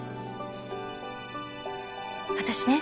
私ね。